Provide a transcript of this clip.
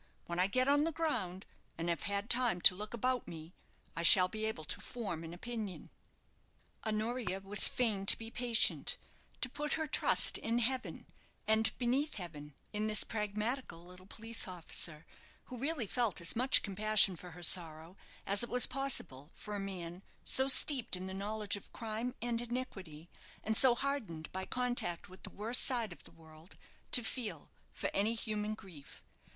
When I get on the ground, and have had time to look about me, I shall be able to form an opinion." Honoria was fain to be patient, to put her trust in heaven, and, beneath heaven, in this pragmatical little police officer, who really felt as much compassion for her sorrow as it was possible for a man so steeped in the knowledge of crime and iniquity, and so hardened by contact with the worst side of the world, to feel for any human grief.